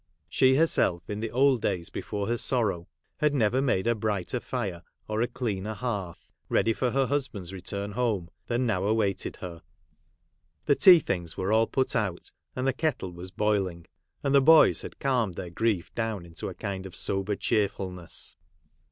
She herself, in the old days before her sorrow, had never made a brighter fire or a cleaner hearth, ready for her husband's return home, than now awaited her. The tea things were all put out, and the kettle was boiling ; and the boys had calmed their grief down into a kind of sober cheerfulness.